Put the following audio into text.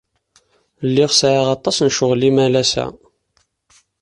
Lliɣ sɛiɣ aṭas n ccɣel imalas-a.